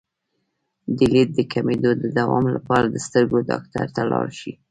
د لید د کمیدو د دوام لپاره د سترګو ډاکټر ته لاړ شئ